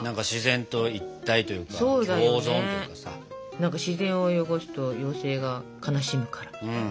何か「自然を汚すと妖精が悲しむから」